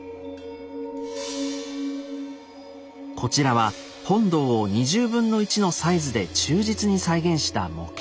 こちらは本堂を２０分の１のサイズで忠実に再現した模型。